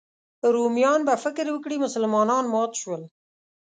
رومیان به فکر وکړي مسلمانان مات شول.